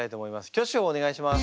挙手をお願いします。